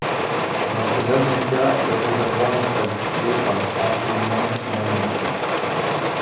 Dans ce dernier cas, le réservoir est fabriqué par enroulement filamentaire.